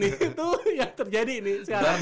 itu yang terjadi nih sekarang